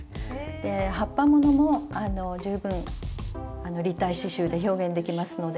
で葉っぱものも十分立体刺しゅうで表現できますので。